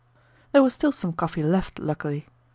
There was still some coffee left, luckily.